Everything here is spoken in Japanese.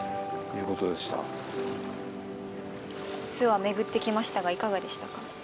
諏訪巡ってきましたがいかがでしたか？